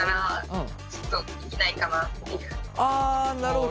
あなるほど。